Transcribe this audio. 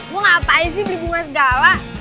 mau ngapain sih beli bunga segala